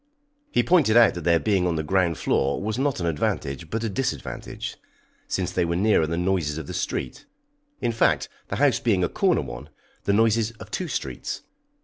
He pointed out that their being on the ground floor was not an advantage, but a disadvantage, since they were nearer the noises of the street in fact, the house being a corner one, the noises of two streets.